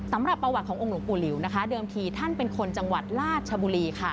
สำหรับประวัติขององค์หลวงปู่หลิวนะคะเดิมทีท่านเป็นคนจังหวัดราชบุรีค่ะ